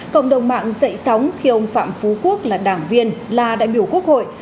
cộng đồng mạng dậy sóng khi ông phạm phú quốc là đảng viên là đại biểu quốc hội